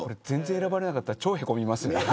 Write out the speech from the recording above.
全然選ばれなかったら超へこみますね。